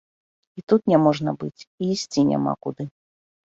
І тут няможна быць, і ісці няма куды.